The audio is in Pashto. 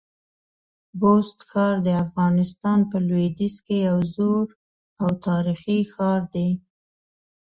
بست ښار د افغانستان په لودیځ کي یو زوړ او تاریخي ښار دی.